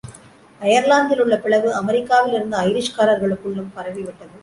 அயர்லாந்திலுள்ள பிளவு அமெரிக்காவிலிருந்த ஐரிஷ் காரர்களுக்குள்ளும் பரவிவிட்டது.